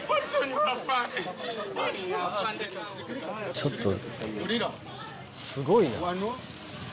ちょっとすごいな。